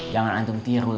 jangan antum tirul